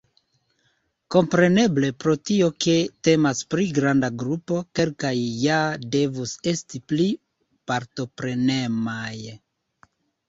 Kompreneble, pro tio, ke temas pri granda grupo, kelkaj ja devus esti pli partoprenemaj.